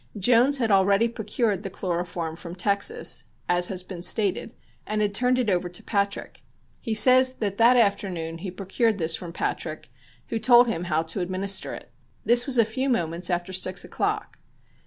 Jones had already procured the chloroform from Texas, as has been stated, and had turned it over to Patrick. He says that that afternoon he procured this from Patrick, who told him how to administer it. This was a few moments after six o'clock.